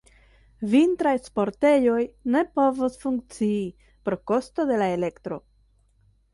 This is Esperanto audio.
Vintraj sportejoj ne povos funkcii pro kosto de la elektro.